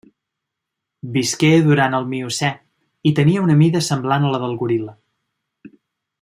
Visqué durant el Miocè i tenia una mida semblant a la del goril·la.